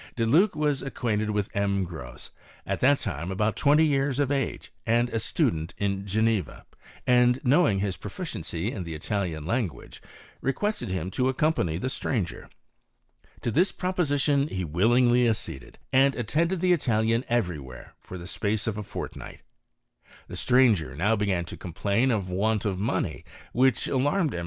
De Luc was acquainted with M. Gros at that time about twenty years of age, and a studen in Geneva, and knowing his proficiency in the Italiai language, requested him to accompany the strangei To this proposition he willingly acceded, and attende the Italian every where for the space of a fortnigh The stranger now began to complain of wantof mone; which alarmed M.